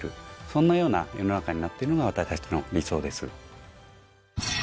そんなような世の中になってるのが私たちの理想です。